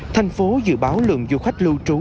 thành phố dự báo lượng du khách lưu trú